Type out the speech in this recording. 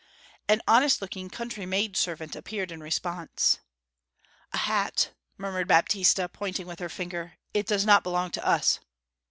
An honest looking country maid servant appeared in response. 'A hat!' murmured Baptista, pointing with her finger. 'It does not belong to us.'